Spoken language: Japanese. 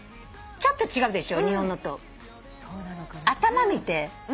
ちょっと違うでしょ。